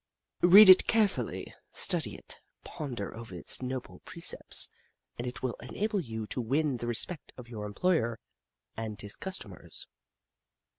Read it care fully, study it, ponder over its noble precepts, and it will enable you to win the respect of your employer and his customers."